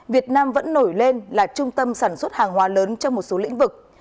việt nam vẫn nổi lên là trung tâm sản xuất hàng hóa lớn trong một số lĩnh vực